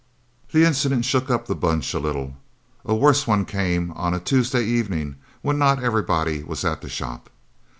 That incident shook up the Bunch a little. A worse one came on a Tuesday evening, when not everybody was at the shop.